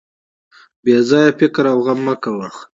بې ځایه فکر او غم مه کوه.